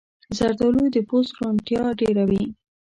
زردالو د پوست روڼتیا ډېروي.